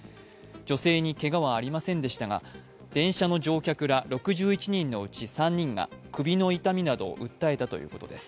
女性にけがはありませんでしたが電車の乗客ら６１人のうち３人が首の痛みなどを訴えたということです。